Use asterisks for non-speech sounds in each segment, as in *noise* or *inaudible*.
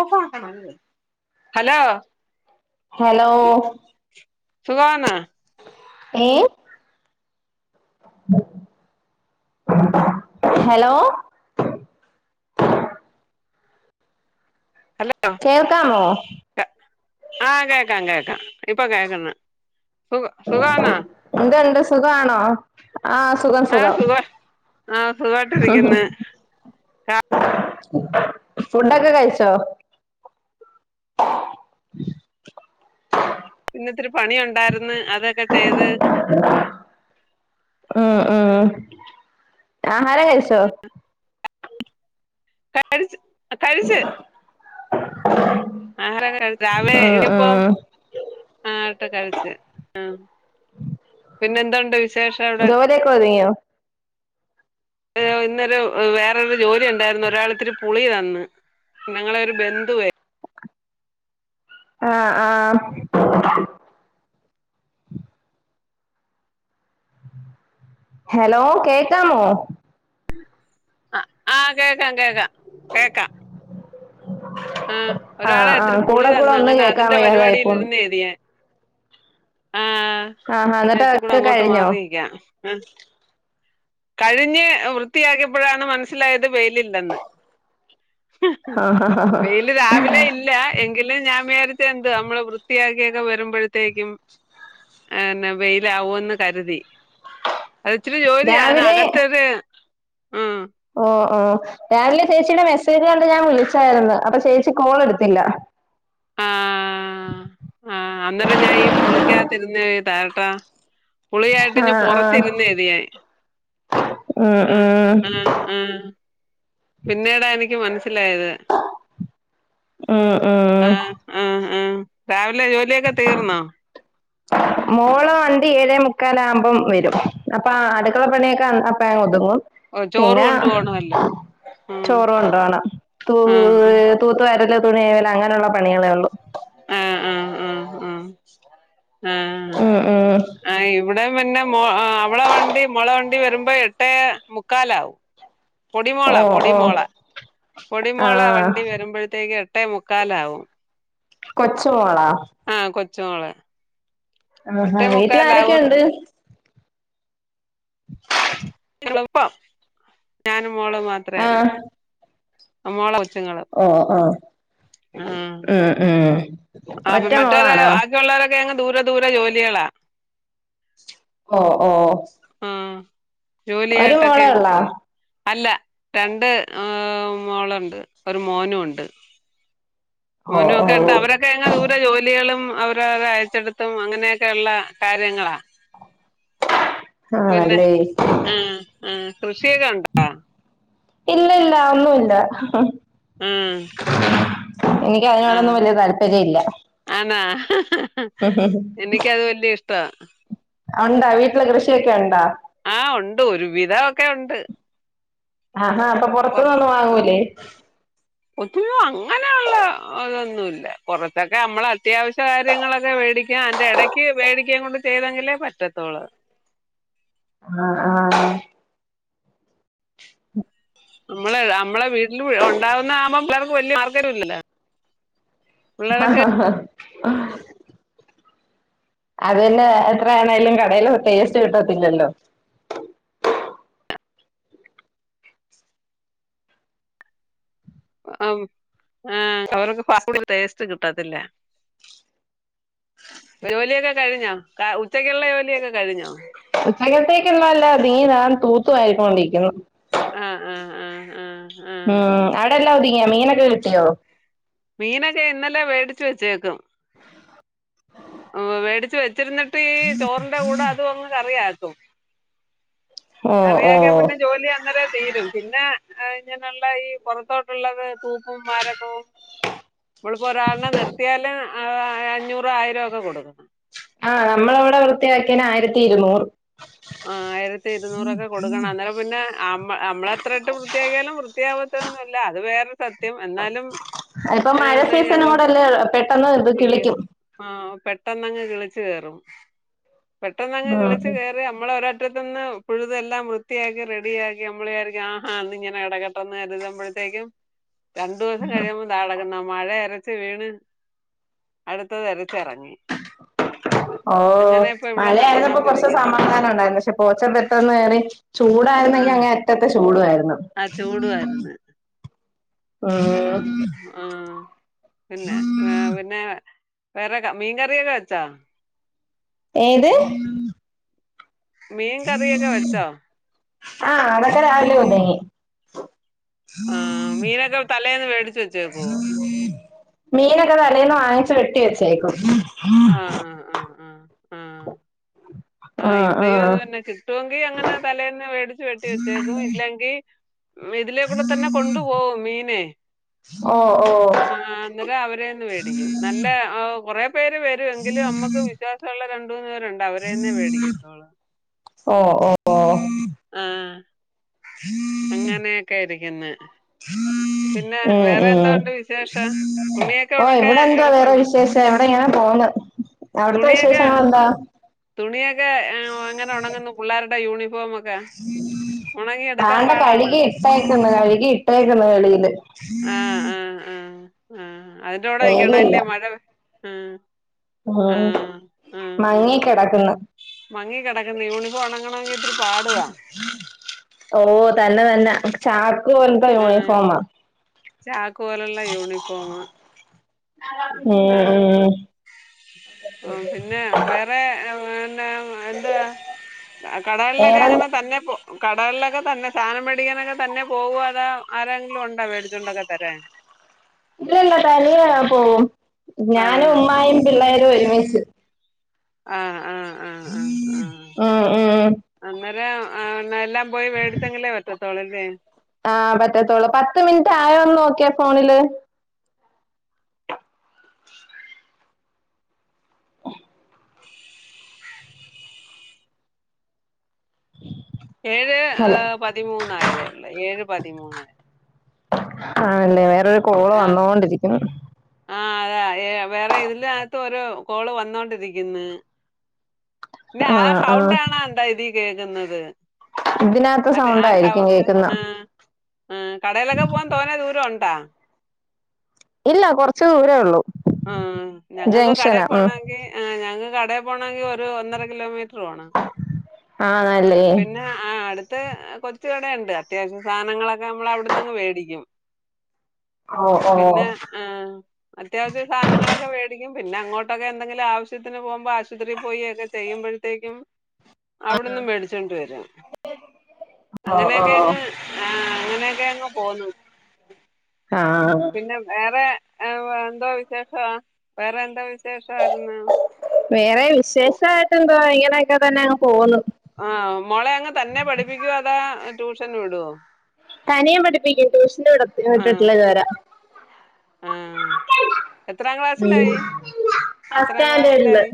ഓഫാക്കണ *unintelligible* hello hello സുഖാന്നാ ഏ hello hello കേൾക്കാമോ ആഹ് കേക്കാം കേക്കാം ഇപ്പൊ കേക്ക്ന്ന്. സുഖ സുഖാന്ന എന്തുണ്ട് സുഖാണോ ആ സുഖം ആഹ സുഖം സുഖ ആഹ സുഖായിട്ടിരിക്ക്ന്ന് ആ ഫുഡൊക്കെ കഴിച്ചോ പണിയുണ്ടായിര്ന്ന് അതൊക്കെ ചെയ്ത് ആഹാരാം കഴിച്ചോ കഴിച്ച് കഴിച്ച് *unintelligible* ആഹാരം രാവിലെ ഉം ഇടിയപ്പൊം ഉം ആ അ കഴിച്ച് ആ പിന്നെന്തൂണ്ട് വിശേ ജോലിയൊക്കെ ഒത്ങ്ങിയൊ അയ്യോ ഇന്നൊരു വേറൊരു ജോലി ഉണ്ടായിർന്ന് ഒരാൾ ഇത്തിരി പുളി തന്ന് ഞങ്ങളെരു ബന്ധുവെ ആഹ ആഹാം ഹലോ കേക്കാമോ ആ ആഹ് കേക്കാം കേക്കാം കേക്കാം ആഹ ആ ഒരാളെ ആ ഇത്തിരി പുളി കൂടെ കൂടെ തന്ന ഒന്ന് അങ്ങനെ കേക്കാൻ അതിൻ്റെ വയ്യാതായി പരിപാടിൽ പോന്നു ഇരുന്നേനീ ഞാൻ ആഹ് ആഹാ എന്നിട്ട് ഞ്ഞത്തികൂടെ അതൊക്കെ അങ്ങോട്ട് കഴിഞ്ഞോ മാറിക്കാം ആ കഴിഞ്ഞ് വൃത്തിയാക്കിയപ്പോഴാണ് മനസ്സിലായത് വെയിലില്ലെന്ന് ആഹ ഹ ഹ വെയില് രാവിലെ ഇല്ലാ എങ്കിലും ഞാൻ വേര *unintelligible* നമ്മളെ വൃത്തിയാക്കിയൊക്കെ വരുമ്പോഴത്തേക്കും ആ ന്നെ വെയിലാവൂന്ന് കരുതി അത് ഇച്ചിരി ജോലിയാന് രാവിലെ അകത്തെത് ഓ ഓ രാവിലെ ചേച്ചിയ്ടെ മെസ്സേജ് കണ്ട് ഞാൻ വിളിച്ചായിര്ന്ന്. അപ്പൊ ചേച്ചി കോൾ എടുത്തില്ല. ആ അന്നേരം ഞാൻ ഈ പൂളിക്കാ യിതിരുന്ന്ട്ടാ ട്ടാ പുളിയായിട്ട് ആ ന് ആ പുറത്തിരുന്നേത് ഞാൻ ഉം ആഹ ഉം ആഹ ആഹ പിന്നീടാ എനിക്ക് മനസിലായത് ഉം ഉം ആഹ ആഹ് ആഹ് രാവ് മോളോ വണ്ടി ഏഴേ മുക്കാല ആവ് മ്പ അപ്പം വരും. അപ്പാ അട്ക്കള പണിയൊക്കെ അപ്പഴ ഒതുങ്ങും ചോറ് കൊണ്ട് പോണമല്ലോ ചോറു കൊണ്ടോവണം തൂ ആഹ് തൂത്തുവാരല് തുണികഴുവൽ അങ്ങനെയുള്ള പണികളെ ഉള്ളൂ ആഹ് ആഹ് ആഹ് ആഹ് ആഹ് ഉം ഉം ആ ഇവിടെ പിന്നെ അവളെ വണ്ടി മുള വണ്ടി വരുമ്പ ഇ എട്ടേ മുക്കാലാവും പൊടിമോള ഓ ഓ പൊടിമോള പൊടിമോള ആഹ് വണ്ടി വരുമ്പോഴത്തേക്ക് എട്ടേ മുക്കാലാവും കൊച്ച് മോളാ ച്ചോള ആഹാ വീട്ടിൽ ആരൊക്കെയുണ്ട് *unintelligible* ഞാനും മോളും മാത്രമേ ഉള്ളൂ ആഹ് മോളാ ഓഹ് ആഹ ഉ ഉ ആ മറ്റവരെ ബാക്കിയുള്ളവരൊക്കെ അങ് ദൂരെ ദൂരെ ജോലികളാ ഓഹ് ഓഹ് ജോലിയ ആയിട്ടൊക്കെയങ്ങ് പോയി അല്ല രണ്ട് ഏ മോളുണ്ട് ഒരു മോനും ഉണ്ട് ഓ മോനും ഓ ഒക്കെ ഉണ്ട് അവരൊക്കെ എങ്ങനെ ദൂര ജോലികളും അവരവരെ അയച്ചെടുത്തും അങ്ങനെയൊക്കെയള്ള കാര്യങ്ങളാ പിന്നെ ആണല്ലേ ആഹ് ആ കൃഷിയൊക്കെ ഉണ്ടോ? ഇല്ല ഇല്ല ഒന്നുമല്ല ആഹ് എനിക്ക് ആഹ് അതിനോടൊന്നും വലിയ താല്പര്യ ഇല്ല ആണാ എനിക്കത് വല്യ ഇഷ്ടാ ഉണ്ടാ വീട്ടില് കൃഷിയൊക്കെ ഉണ്ടാ ആഹ് ഉണ്ട് ഒരു വിധവൊക്കെ ഉണ്ട് ആഹാ അപ്പൊ പൊറുത്തുനൊന്നും വാങ്ങൂല്ലേ ഒത്തിും *unintelligible* അങ്ങനെയുള്ള അതൊന്നുമല്ല കുറച്ചൊക്കെ നമ്മള അത്യാവശ്യ കാര്യങ്ങളൊക്കെ മേടിക്ക അന്റെ ഇടക്ക് വേടിക്കാൻ കൊണ്ട് ചെയ്തെങ്കിലേ പറ്റത്തുള്ളൂ. അ ആഹ് *inaudible* നമ്മളെ നമ്മളെ വീട്ടിൽ ഉണ്ടാവുന്ന ആകുമ്പോം പിള്ളേർക്ക് വല്യ മാർഗര്ല്ലല്ലോ *unintelligible* *unintelligible* അത്പിന്നെ എത്ര ആണേലും കടേൽ ടേസ്റ്റ് കിട്ടത്തില്ലല്ലോ ആഹ് അവർക്ക് ഫാസ്റ്റ്ഫൂഡിന്റെ ടേസ്റ്റ് കിട്ടത്തില്ല ജോലിയൊക്കെ കഴിഞ്ഞോ ഉച്ചക്കുള്ള ജോലിയൊക്കെ കഴിഞ്ഞോ ഉച്ചകത്തേക്കൊന്നല്ല *unintelligible* നീ ഞാൻ തൂത്തു വാരിക്കൊണ്ടിരിക്കുന്നു ആഹ് ആഹ് ആഹ ആഹ ഉം അവിടെ എല്ലാം ഒതുങ്ങിയോ മീനൊക്കെ കിട്ടിയോ മീനൊക്കെ ഇന്നലെ വേടിച്ച് വെച്ചേക്ണ് വേടിച്ച് വെച്ചിരുന്നിട്ട് ചോറിന്റെ കൂടെ അതങ്ങ് കറിയാക്കും ഓ ഓ കറിയക്കിയ പിന്നെ ജോലിയാ അങ്ങ *unintelligible* തീരും പിന്നെ ഇങ്ങനെയുള്ള ഈ പുറത്തോട്ടുള്ളത് തൂപ്പും മാരകവും നമ്മളിപ്പോ ഒരാളിനെ നിർത്തിയാല് അഞ്ഞൂറു ആയിരം ഒക്കെ കൊടുക്കുണം ആഹ് നമ്മളവിടെ വൃത്തിയാക്കിയനു ആയിരത്തി ഇരുനൂറ് ആ ആയിരത്തി ഇരുുന്നൂറൊക്കെ കൊടുക്കണം അന്നേരം പിന്നെ നമ്മളെത്ര ഇട്ട് വൃത്തിയാക്കിയാലും വൃത്തിയാവ തോന്നുല്ല അത് വേറെ സത്യം എന്നാലും ഇപ്പൊ ഏഹ് മഴ പിന്നെ സീസണ ഞങ്ങൾ കൂടെയല്ലേ അ പെട്ടെന്നു ഇത് കിളിക്കും പെട്ടന്നങ്ങ് കിളിച്ച് കയറും, പെട്ടന്നങ്ങ് ഉം കിളിച്ച് കയറും നമ്മള ഒരറ്റത്തത്ത് നിന്ന് പുഴുതെല്ലാം വൃത്തിയാക്കി റെഡിയാക്കി നമ്മലുവിയാരിക്കും ആഹാ ഇത് ഇങ്ങനെ കടക്കട്ടെന്ന് ബഴത്തേക്കും രണ്ടു ദിവസം കഴിയുമ്പോ ദാ കെടക്ക്ന്ന് മഴ അരച് വീണ് അടുത്തത് ഇരച്ച റങ്ങി ഓ മഴയായിരുന്നപ്പോ കൊറ്ച് നടന്നോണ്ടിരിക്കുന്നത് സമാധാനം ഉണ്ടായിരുന്നു പക്ഷെ പോച്ച പെട്ടന്ന് കേറി ചൂടായിരുന്നെങ്കി ആഹ് അങേ അറ്റത്തെ ചൂടുവായിരുന്നു ആ ആ ആ പിന്നെ ഹേ പിന്നെ വേറെ മീൻ കറിയൊക്കെ വെച്ചാ ഏത് മീൻ കറിയൊക്കെ വെച്ചോ ആ അതൊക്കെ രാവിലെ വന്നിന്നി ആ മീനൊക്കെ തലേന്ന് മേടിച് വെച്ചേക്കോ മീനൊക്കെ തലേന്ന് വാങ്ങിച് വെട്ടി വെച്ചേക്കും ആ ആ ആ ആ ആ ആഹ് ഇവിടെയും അത് ആഹ് തന്നെ കിട്ടുവെങ്കി അങ്ങനെ തലേന്ന് വേടിച് വെട്ടി വെച്ചേക്കും ഇല്ലെങ്കിൽ ഇതിലേക്കൂടെ തന്നെ കൊണ്ടു പോവും മീത് ഓ ഓ ആ അന്നേരം അവരെന്നെ വേടിക്കും നല്ല കൊറെ പേര് വരുവെങ്കില് നമ്മക്ക് വിശ്വാസള്ള രണ്ട് മൂന്ന് പേരുണ്ട് അവരെ ന്നെ വേടിക്കത്തോള്ളൂ ഓ ഓ ഓ ആ അങ്ങനെയൊക്കെ ഇരിക്ന് പിന്നെ ഉം വേറെ എന്തോ ഉം ഉണ്ട് വിശേഷം തുണിയൊക്കെ ഓ ഉണക്കാൻ ഇവിടെ എന്താ വേറെ എളുപ്പാണോ? വിശേഷം ഇവിടെ ഇങ്ങനെ പോണ് അവിടത്തെ തുണിയൊക്കെ വിശേഷങ്ങൾ എന്താ തുണിയൊക്കെ എങ്ങനെ ഒണങ്ങുന്നു പുള്ളാരുടെ യൂണിഫോമോ ക്കെ താണ്ടെ കഴുകി ഇട്ടേക്കുന്നു കഴുകി ഇട്ടേക്കുന്നു വെളിയില് ആ, ആ, ആ ആ അതിന്റെകൂടെ വെയിലില്ല *unintelligible* മഴ ഉം ഉം മയങ്ങി കെടക്കുന്നു മങ്ങി കെടക്കുന്ന യൂണിഫോം ഉണങ്ങണങ്കി ഇത്തിരി പാടുവാ ഓ തന്നെ തന്നെ ചാക്ക് പോലത്തെ ആ, യൂണിഫോമാ ചാക്ക് പോലുള്ള യൂണിഫോമ് ഉം അ ഉം ആ പിന്നെ വേറെ എന്ത്വാ കടകളിലൊക്കെ വേറെ അങ്ങനെ തന്നെ പോ കടകളിലൊക്കെ തന്നെ സാധനം മേടിക്കാനൊക്കെ തന്നെ പോകുവാ ആരെങ്കിലും ഉണ്ടാ വേടിച്ചോ ണ്ടൊക്കെ തരാൻ ഇല്ലല്ല തനിയ ഞാൻ പോവും ആ, ഞാനും ഉമ്മായും പിള്ളേരും ഒരുമിച്ച് ആ ആ ആ, ആ, ആ ആ അ ആ എല്ലാം പോയി മേടിച്ചെങ്കിലേ പറ്റത്തോളൂല്ലേ ആ പറ്റത്തോള്ളൂ പത്ത് മിനിറ്റ് ആയോന്ന് നോക്കിയെ ഫോണില് ഏഴ് ഏ ഹലോ പതിമൂന്നായത് ഏഴ് പതിമൂന് ആണല്ലേ വേറൊരു കോള് ആ വന്നൊണ്ടിരിക്ണ് ആ വേറെ ഇതിന്റെകത് ഒരു കോള് വന്നോണ്ടിരിക്ന് പിന്നെ ആ സൗണ്ടാ ണാ എന്താ ഇതി കേൾക്കുന്നത് ഇതിനകത്ത് അത ആ സൗണ്ടായിരിക്കും സൗണ്ട് കേക്കുന്ന ആ ആ കടയിലൊക്കെ പോവാൻ തോന്നേ ദൂരം ഉണ്ടാ ഇല്ല കൊറ്ച് ദൂരേ ഒള്ളൂ ആ ഞങ്ങക്ക് കടയി പോണങ്കി ആ ഞങ്ങക്ക് കടയി പോണേങ്കി ഒരു ഒന്നര കിലോമീറ്റർ ആണല്ലേ പിന്നെ ആ അട്ത് ത്ത് കൊച് ഇവെടെണ്ട് അത്യാവശ്യ സാനങ്ങളൊക്കെ നമ്മള് അവിടന്നങ്ങ് വെടിക്കും ഓ ഓ പിന്നെ ആ അത്യാവശ്യം സാനങ്ങളൊക്കെ വെടിക്കും പിന്നെ അങ്ങോട്ടൊക്കെ എന്തെങ്കിലും ആവശ്യത്തിന് പോകുമ്പോ ആശുപത്രിൽ പോയി ഒക്കെ ചെയ്യുമ്പോഴത്തേക്കും അവിടന്നും മേടിച്ചോണ്ട് വരും ഓ ഓ അങ്ങനെയൊക്കെങ്ങ് അങേനേക്കെ അങ് പോന്നു ആ പിന്നെ വേറെ എ എന്തോ വിശേഷം വേറെ എന്തോ വേറെ വിശേഷമായിട്ടെന്തോ ഇങ്ങനെയൊക്കെ തന്നെ അങ്ങ് പോകുന്നു ആ മോളെ അങ്ങ് തന്നെ പഠിപ്പിക്ക്യോ അതോ ട്യൂഷന് വിടോ തനിയെ പഠിപ്പിക്കും ട്യൂഷന് വിടത്തി ആഹ് വിട്ട്ട്ടില്ല ഇതുവരെ ആഹ് എത്രാം ക്ലാസ്സിലായി ഫസ്റ്റ് എത്രാം സ്റ്റാൻഡേർഡില് ക്ലാസ്സിലായി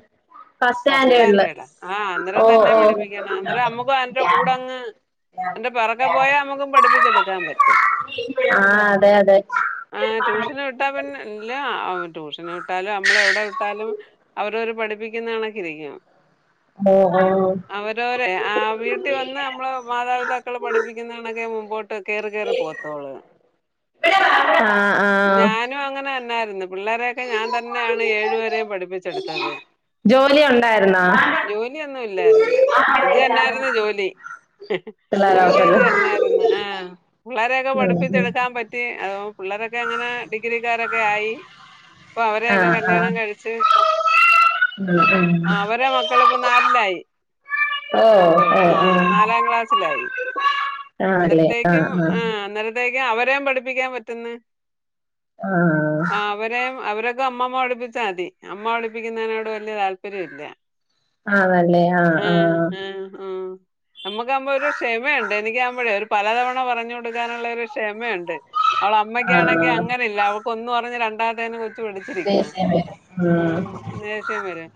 ഫസ്റ്റ് സ്റ്റാൻഡേഡില് ആ അന്നേരം ഓ തന്നെ ഓ പഠിപ്പിക്കണം അന്നേരം നമ്മുക്കും അതിൻ്റെ കൂടെ അങ്ങ് ഇതിൻ്റെ പിറകെ പോയാ നമ്മുക്കും പഠിപ്പിച്ചെടുക്കാൻ പറ്റും ആ അതെ അതെ ആ ട്യൂഷന് വിട്ടാ പിന്നെ ഇല്ലേ ആ ട്യൂഷന് വിട്ടാലും നമ്മള് എവിടെ വിട്ടാലും അവരവര് പഠിപ്പിക്കുന്ന കണക്കിനിരിക്കും ഓ ഓ അവരവരെ ആ വീട്ടിൽ വന്ന് നമ്മള് മാതാപിതാക്കൾ പഠിപ്പിക്കുന്നണൊക്കെ മുമ്പോട്ട് കേറി കേറി പോത്തോളു ആ ആ ഞാനും അങ്ങനെ തന്നാരുന്നു പിള്ളേരെയൊക്കെ ഞാൻ തന്നെയാണ് ഏഴു വരെ പഠിപ്പിച്ചെടുത്തത് ജോലി ഉണ്ടായിരുന്നോ ജോലിയൊന്നും ഇല്ലായിര്ന്ന് ഇത് തന്നായിരുന്നു ജോലി പിള്ളേരെ ജോലി നോക്കല് ഇത് തന്നായിരുന്നു ആ പിള്ളരെയൊക്കെ ഉം ഉം പഠിപ്പിച്ചെടുക്കാൻ പറ്റി അതോ പിള്ളരൊക്കെ അങ്ങനെ ഡിഗ്രിക്കാരൊക്കായി പ്പൊ ആ അവരെക്കെ ആ കല്യാണം കഴിച്ച് ഉം ഉം അവരെ മക്കളിപ്പോ നാലിലായി ഓ മൂത്തോൾ ഓ ആ ഓ നാലാം ക്ലാസിലായി ആണല്ലേ ആഹ് അന്നരത്തേക്കും ആഹ് ആ അന്നരത്തേക്കും അവരേം പഠിപ്പിക്കാൻ പറ്റുന്നു ആഹ് ആ അവരേം അവരെ അമ്മമ്മ പഠിപ്പിച്ചാൽ മതി അമ്മ പഠിപ്പിക്കുന്നതിനോട് വല്യ താല്പര്യല്ല ആണല്ലേ ആ ആ നമ്മുക്കാകുമ്പോ ഒരു ക്ഷമയുണ്ട് എനിക്കാ ആവുമ്പോഴേ ഒരു പലതവണ പറഞ്ഞു കൊടുക്കാനുള്ളൊരു ക്ഷമയുണ്ട് അവള അമ്മയ്ക്കാണെങ്കിൽ ആഹ് അങ്ങനെ ഇല്ല അവക്ക് ഒന്ന് പറഞ്ഞ് രണ്ടാമത്തേന് കൊച്ച് പഠിച്ചിരിക്കണം ദേഷ്യം വരും ഉം ദേഷ്യം വരും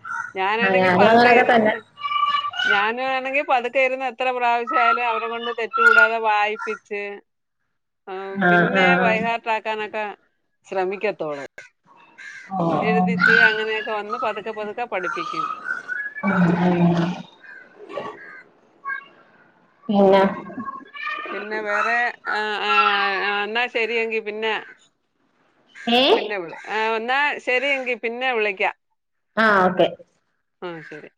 ആഹ് ഞാനാണെങ്കിൽ ഞാനും പതുക്കെ അങ്ങനൊക്കെ ഇരുന്ന് തന്നെ ഞാനും ണെങ്കിൽ പതുക്കെ ഇരുന്ന് എത്ര പ്രാവശ്യായാലും അവരെ കൊണ്ട് തെറ്റ് കൂടാതെ വായിപ്പിച്ച് ആ ആഹ് പിന്നെ ആഹ് ബൈഹാർട്ടാക്കാനൊക്കെ ശ്രമിക്കത്തൊള്ളൂ ഓ ഓ എഴുതിച്ച് അങ്ങനെയൊക്കെ വന്ന് പതുക്കെ പതുക്കെ പഠിപ്പിക്കും ഉം പിന്നെ പിന്നെ വേറെ ആ ആ എന്നാ ശെരിയെങ്കി പിന്നെ ഏഹ് പിന്നെ വിളി ന്നാ ശെരിയെങ്കി പിന്നെ വിളിക്കാ ആ ഓക്കെ ആ ശെരി